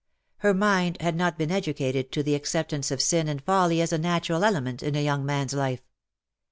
Her mind had not been educated to the accept ance of sin and folly as a natural element in a young man^s life.